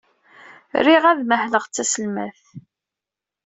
Riɣ ad mahleɣ d taselmadt.